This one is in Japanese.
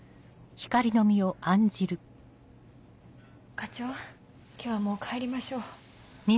課長今日はもう帰りましょう。